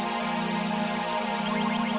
kenapa keadaan ini